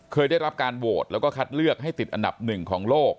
เคยได้รับการโหวตแล้วก็คัดเลือกให้ติดอันดับหนึ่งของโลก